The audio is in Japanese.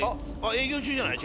営業中じゃない？